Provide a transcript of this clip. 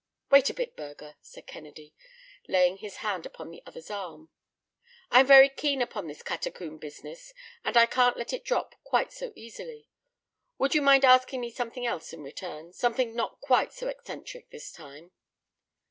"Wait a bit, Burger," said Kennedy, laying his hand upon the other's arm; "I am very keen upon this catacomb business, and I can't let it drop quite so easily. Would you mind asking me something else in return—something not quite so eccentric this time?"